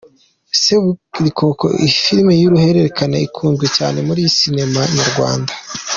Seburikoko ni filime y'uruhererekane ikunzwe cyane muri sinema nyarwanda.